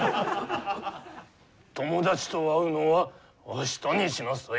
友達と会うのは明日にしなさい。